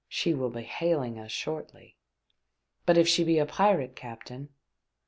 She will be hailing us shortly." " But if she be a pirate, captain ?"